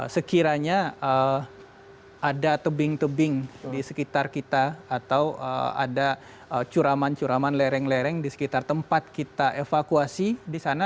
sekiranya ada tebing tebing di sekitar kita atau ada curaman curaman lereng lereng di sekitar tempat kita evakuasi di sana